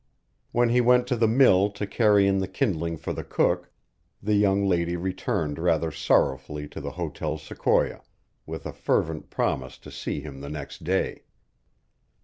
When he went to the mill to carry in the kindling for the cook, the young lady returned rather sorrowfully to the Hotel Sequoia, with a fervent promise to see him the next day.